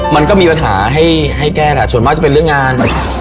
มันก็มีปัญหาให้แก้แหละส่วนมากจะเป็นเรื่องงาน